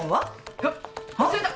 いや忘れた！